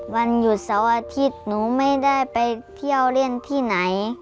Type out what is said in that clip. วันหยุดเสาร์อาทิตย์หนูไม่ได้ไปเที่ยวเล่นที่ไหน